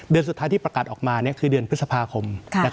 สุดท้ายที่ประกาศออกมาคือเดือนพฤษภาคม